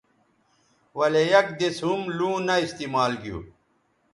ولے یک دِس ھم لوں نہ استعمال گیو